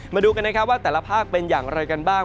มาดูกันนะครับว่าแต่ละภาคเป็นอย่างไรกันบ้าง